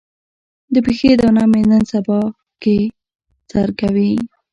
د پښې دانه مې نن سبا کې سر کوي.